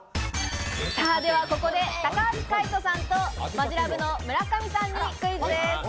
ではここで、高橋海人さんとマヂラブの村上さんにクイズです。